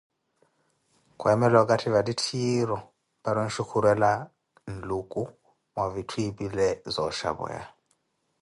Khweemela okathi vattitthiru para onxukhurela nluku mwa vitthu epile zooxhapweya.